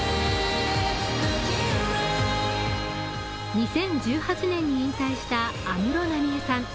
２０１８年に引退した安室奈美恵さん。